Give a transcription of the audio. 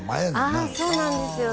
ああそうなんですよ